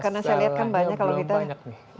masalahnya belum banyak nih